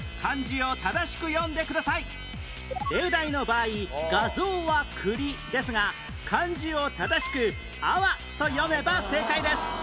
例題の場合画像は栗ですが漢字を正しく「あわ」と読めば正解です